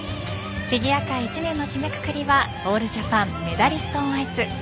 フィギュア界１年の締めくくりはオールジャパンメダリスト・オン・アイス。